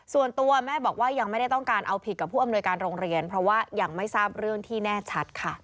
ส่วนตัวแม่บอกว่ายังไม่ได้ต้องการเอาผิดกับผู้อำนวยการโรงเรียนเพราะว่ายังไม่ทราบเรื่องที่แน่ชัดค่ะ